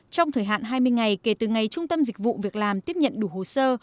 trong thời hạn hai mươi ngày kể từ ngày trung tâm dịch vụ việc làm tiếp nhận đủ hồ sơ